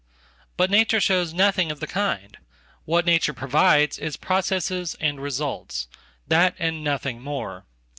But nature shows nothing of the kind. What nature provides isprocesses and results. That and nothing more.